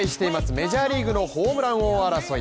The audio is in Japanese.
メジャーリーグのホームラン王争い